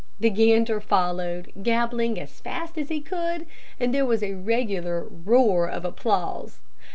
The gander followed, gabbling as fast as he could, and there was a regular roar of applause.